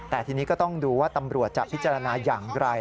แต่ทีนี้ก็ต้องดูว่าตำรวจจะพิจารณาอย่างไร